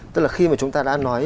tức là khi mà chúng ta đã nói